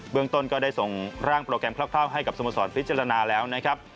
เมืองต้นก็ได้ส่งร่างโปรแกรมคร่าวให้กับสโมสรพิจารณาแล้วนะครับ